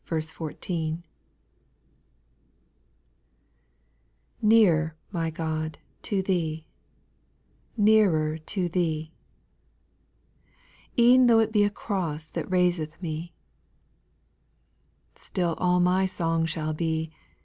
VTEARER, my God, to Thee,— L 1 Nearer to Thee ; E*en though it be a cross That raiseth me ; Still all my song shall be.